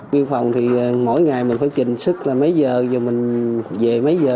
biên phòng thì mỗi ngày mình phải trình sức là mấy giờ rồi mình về mấy giờ